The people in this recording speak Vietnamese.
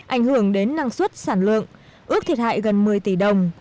ảnh hưởng đến năng suất sản lượng ước thiệt hại gần một mươi tỷ đồng